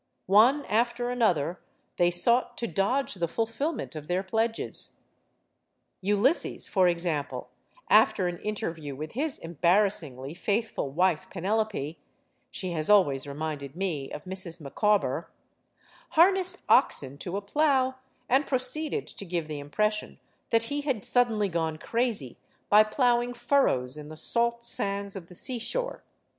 One after another, they sought to dodge the fulfillment of their pledges. Ulysses, for example, after an interview with his embarrassingly faithful wife, Penelope she has always reminded me of Mrs. Micawber harnessed oxen to a plow and proceeded to give the impression that he had suddenly gone crazy, by plowing furrows in the salt sands of the seashore.